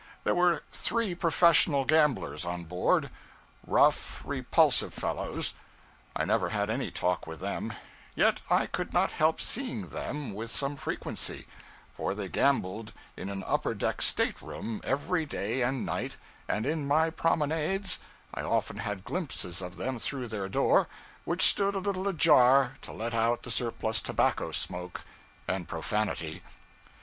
There were three professional gamblers on board rough, repulsive fellows. I never had any talk with them, yet I could not help seeing them with some frequency, for they gambled in an upper deck stateroom every day and night, and in my promenades I often had glimpses of them through their door, which stood a little ajar to let out the surplus tobacco smoke and profanity.